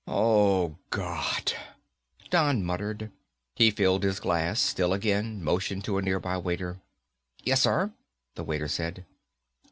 "Oh, God," Don muttered. He filled his glass, still again, motioned to a nearby waiter. "Yes, sir," the waiter said.